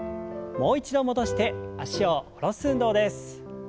もう一度戻して脚を下ろす運動です。